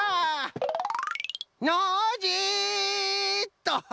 ノージーっと！